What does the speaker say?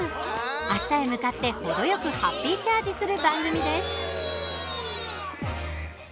明日へ向かって程よくハッピーチャージする番組です。